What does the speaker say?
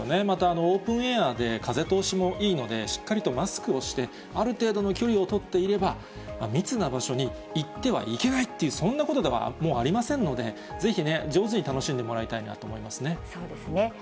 またオープンエアで、風通しもいいので、しっかりとマスクをして、ある程度の距離を取っていれば、密な場所に行ってはいけないという、そんなことではもうありませんので、ぜひね、上手に楽しんでもらいたいなと思いますね。